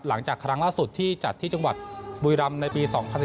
หลังจากครั้งล่าสุดที่จัดที่จังหวัดบุรีรำในปี๒๐๑๙